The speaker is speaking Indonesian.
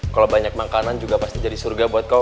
kalau banyak makanan juga pasti jadi surga buat kau